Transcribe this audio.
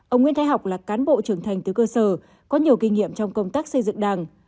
ông nguyễn thái học là cán bộ trưởng thành từ cơ sở có nhiều kinh nghiệm trong công tác xây dựng đảng